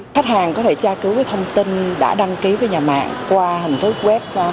khách hàng có thể tra cứu cái thông tin đã đăng ký với nhà mạng qua hình thức web